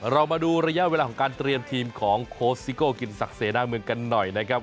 เรามาดูระยะเวลาของการเตรียมทีมของโค้ชซิโก้กินศักดิเสนาเมืองกันหน่อยนะครับ